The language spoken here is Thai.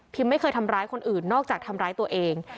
ไม่เคยทำร้ายคนอื่นนอกจากทำร้ายตัวเอง